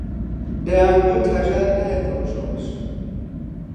دەیانگوت هەژار نایەتەوە شۆڕش